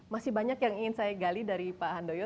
masih banyak yang ingin saya gali dari pak handoyo